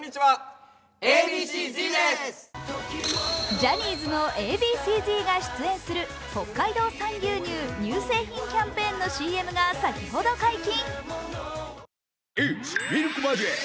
ジャニーズのＡ．Ｂ．Ｃ−Ｚが出演する北海道産牛乳乳製品キャンペーンのＣＭが先ほど解禁。